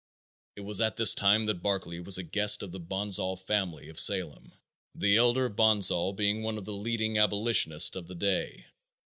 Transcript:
It was at this time that Barclay was a guest of the Bonsall family of Salem, the elder Bonsall being one of the leading abolitionists of that day.